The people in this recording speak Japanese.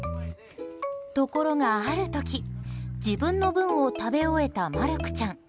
ところが、ある時自分の分を食べ終えたマルクちゃん。